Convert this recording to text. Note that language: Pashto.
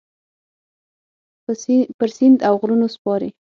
پر سیند اوغرونو سپارې